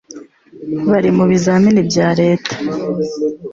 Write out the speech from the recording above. bari mu bizamini bya leta